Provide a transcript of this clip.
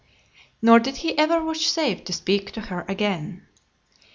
Nor did he ever vouchsafe to speak to her again.